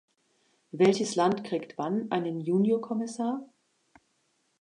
Welches Land kriegt wann einen Juniorkommissar?